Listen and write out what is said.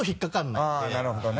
あっなるほどね。